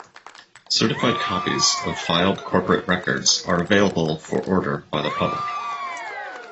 Certified copies of filed corporate records are available for order by the public.